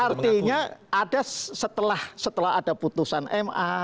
artinya ada setelah ada putusan ma